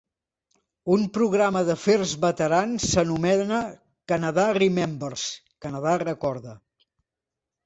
Un programa d'Afers Veterans s'anomena Canada Remembers (Canadà recorda).